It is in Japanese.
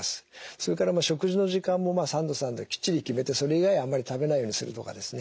それから食事の時間も三度三度きっちり決めてそれ以外あんまり食べないようにするとかですね。